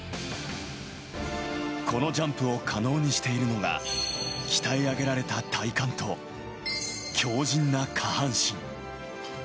このジャンプを可能にしているのが、鍛え上げられた体幹と、強靭な下半身。